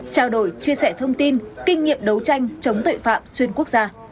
trao đổi chia sẻ thông tin kinh nghiệm đấu tranh chống tội phạm xuyên quốc gia